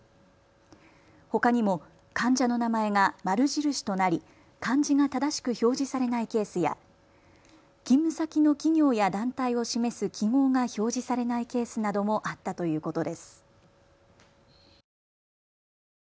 ほかにも患者の名前が丸印となり漢字が正しく表示されないケースや勤務先の企業や団体を示す記号が表示されないケースなどもあったということです。